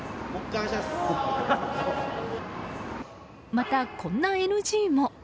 また、こんなＮＧも。